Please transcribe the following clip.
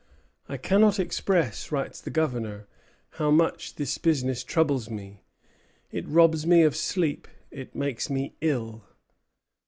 "I cannot express," writes the Governor, "how much this business troubles me; it robs me of sleep; it makes me ill."